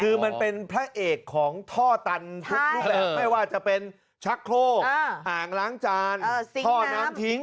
คือมันเป็นพระเอกของท่อตันทุกรูปแบบไม่ว่าจะเป็นชักโครกอ่างล้างจานท่อน้ำทิ้ง